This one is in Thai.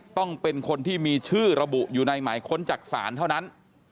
ต้องเป็นคนที่มีชื่อระบุอยู่ในหมายค้นจากศาลเท่านั้น